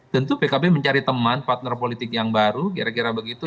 tentu pkb mencari teman partner politik yang baru kira kira begitu